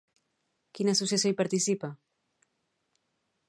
Quina associació hi participa?